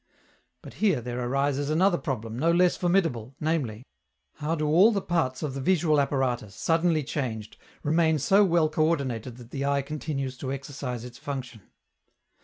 But here there arises another problem, no less formidable, viz., how do all the parts of the visual apparatus, suddenly changed, remain so well coördinated that the eye continues to exercise its function?